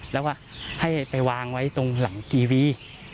แล้วก็ให้ไปวางไว้ตรงหลังทีวี